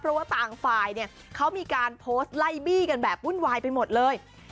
เพราะว่าต่างฝ่ายเนี่ยเขามีการโพสต์ไล่บี้กันแบบวุ่นวายไปหมดเลย